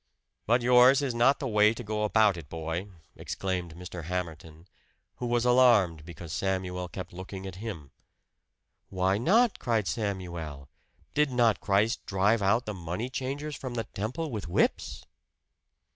"But yours is not the way to go about it, boy!" exclaimed Mr. Hamerton who was alarmed because Samuel kept looking at him. "Why not?" cried Samuel. "Did not Christ drive out the money changers from the temple with whips?"